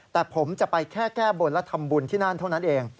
แต่ผมจะไปแค่แก้บนและทำบุญที่นั่นเท่านั้นเอง